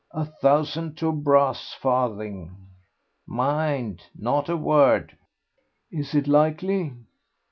"A thousand to a brass farthing." "Mind, not a word." "Is it likely?"